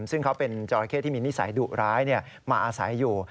ซึ่งเขาเป็นจราเข้ที่มีนิสัยดุร้ายมาอาศัยอยู่